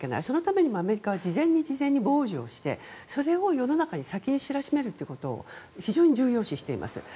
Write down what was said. そのためにもアメリカは事前に傍受をしてそれを世の中に先に知らしめるということを非常に重要視しています。